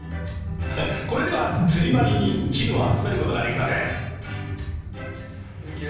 これでは釣り針にチヌを集めることができません。